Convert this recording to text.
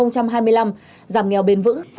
chuyên đề bốn